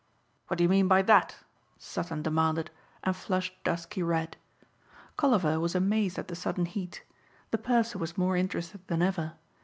"What do you mean by that?" Sutton demanded and flushed dusky red. Colliver was amazed at the sudden heat. The purser was more interested than ever.